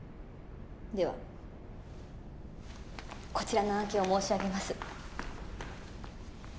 ではこちらの案件を申し上げます。